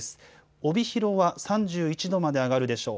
帯広は３１度まで上がるでしょう。